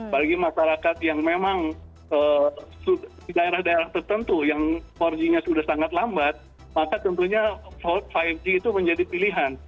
bagi masyarakat yang memang di daerah daerah tertentu yang empat g nya sudah sangat lambat maka tentunya lima g itu menjadi pilihan